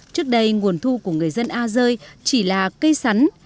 trước đây nguồn thu của người dân a rơi chỉ là cây sắn